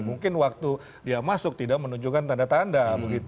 mungkin waktu dia masuk tidak menunjukkan tanda tanda